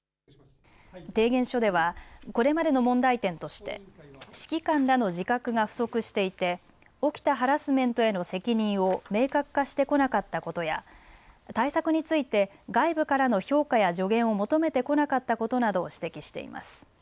提言書ではこれまでの問題点として指揮官らの自覚が不足していて起きたハラスメントへの責任を明確化してこなかったことや対策について外部からの評価や助言を求めてこなかったことなどを指摘しています。